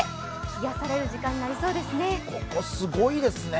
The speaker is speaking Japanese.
癒やされる時間になりそうですね。